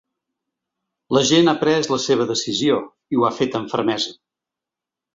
La gent ha pres la seva decisió, i ho ha fet amb fermesa.